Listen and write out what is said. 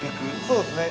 ◆そうですね。